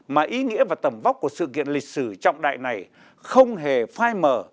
mà ý nghĩa và tầm vóc của sự kiện lịch sử trọng đại này không hề phai mở